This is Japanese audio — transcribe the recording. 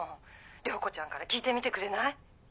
涼子ちゃんから聞いてみてくれない？